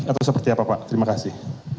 atau seperti apa pak terima kasih